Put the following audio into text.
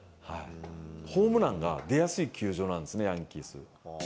ホームランが出やすい球場なんですね、ヤンキース。